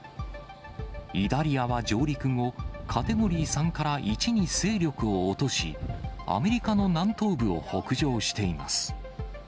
イダリアは上陸後、カテゴリー３から１に勢力を落とし、アメリカの南東部を北上しています。